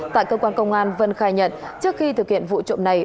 tại cơ quan công an vân khai nhận trước khi thực hiện vụ trộm này